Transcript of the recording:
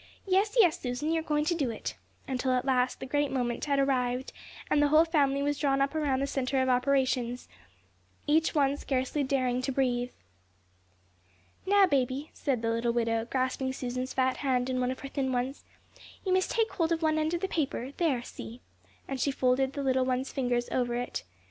Yes, yes, Susan, you're going to do it," until at last the great moment had arrived, and the whole family was drawn up around the centre of operations, each one scarcely daring to breathe. "Now, baby," said the little widow, grasping Susan's fat hand in one of her thin ones, "you must take hold of one end of the paper; there, see," and she folded the little one's fingers over it.